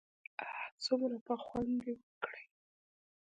اه څومره به خوند وکړي.